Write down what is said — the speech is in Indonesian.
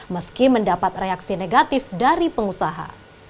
meski mendapat reaksi negatif dari pengusaha